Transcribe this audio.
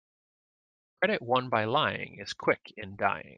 Credit won by lying is quick in dying.